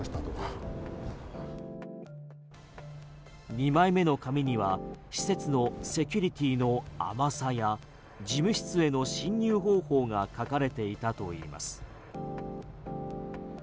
２枚目の紙には施設のセキュリティの甘さや事務室への侵入方法が書かれていたといいます。